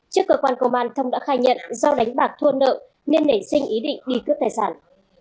trước cơ quan công an thông đã khai nhận do đánh bạc thua nợ nên nảy sinh ý định đi cướp tài sản